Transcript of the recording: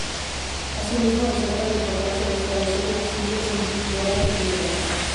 Asimismo, resalta la importancia de establecer una Siria "civil, plural y democrática".